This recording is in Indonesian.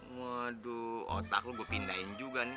waduh otak lo gue pindahin juga nih